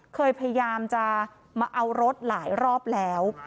พยายามจะมาเอารถหลายรอบแล้ว